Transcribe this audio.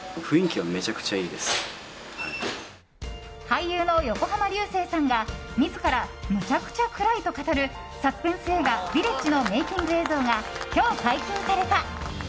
俳優の横浜流星さんが自ら、むちゃくちゃ暗いと語るサスペンス映画「ヴィレッジ」のメイキング映像が今日解禁された。